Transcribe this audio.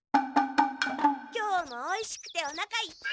今日もおいしくておなかいっぱい！